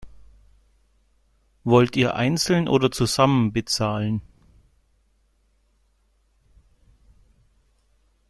Wollt ihr einzeln oder zusammen bezahlen?